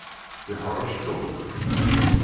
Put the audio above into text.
Yeḥṛec Tom.